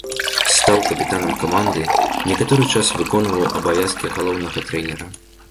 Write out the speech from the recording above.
Стаў капітанам каманды, некаторы час выконваў абавязкі галоўнага трэнера.